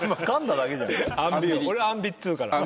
俺『アンビ』っつうから。